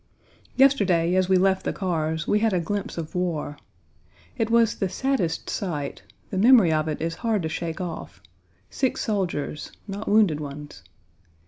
Yesterday, as we left the cars, we had a glimpse of war. It was the saddest sight: the memory of it is hard to shake off sick soldiers, not wounded ones.